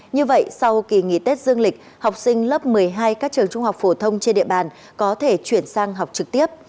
như vậy sau kỳ nghỉ tết dương lịch học sinh lớp một mươi hai các trường trung học phổ thông trên địa bàn có thể chuyển sang học trực tiếp